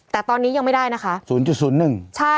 แต่ตอนนี้ยังไม่ได้นะคะ๐๐๑ใช่